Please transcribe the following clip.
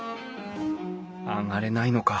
上がれないのか。